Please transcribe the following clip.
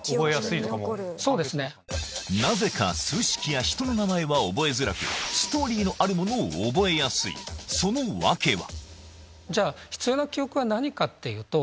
なぜか数式や人の名前は覚えづらくストーリーのあるものをその訳は？